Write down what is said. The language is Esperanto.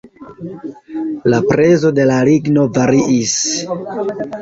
La prezo de la ligno variis.